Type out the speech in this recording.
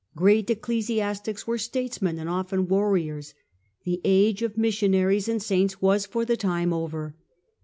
Great ecclesiastics were statesmen and often warriors ; the age of missionaries and saints was, for the time, over.